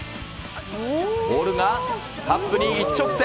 ボールがカップに一直線。